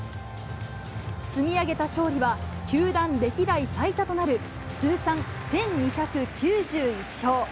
積み上げた勝利は球団歴代最多となる通算１２９１勝。